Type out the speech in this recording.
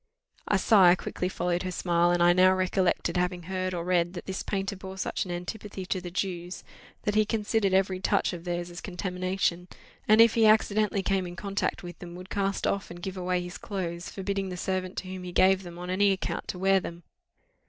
A sigh quickly followed her smile, and I now recollected having heard or read that this painter bore such an antipathy to the Jews, that he considered every touch of theirs as contamination; and, if he accidentally came in contact with them, would cast off and give away his clothes, forbidding the servant to whom he gave them, on any account to wear them.